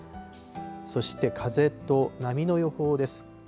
そして風と波の予報です。